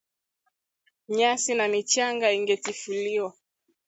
Nyasi na michanga ingetifuliwa